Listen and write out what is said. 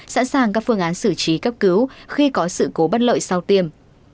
sẵn sàng các phương án xử trí cấp cứu khi có sự cố bất lợi sau tiêm